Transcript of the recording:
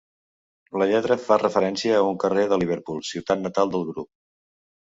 La lletra fa referència a un carrer de Liverpool, ciutat natal del grup.